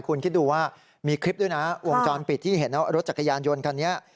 คุณคิดดูว่ามีคลิปด้วยนะวงจรปิดที่เห็นว่ารถจักรยานยนต์คันนี้